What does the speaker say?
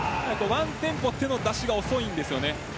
ワンテンポ手の出しが遅いです。